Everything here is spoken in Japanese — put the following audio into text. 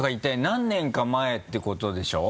何年か前ってことでしょ？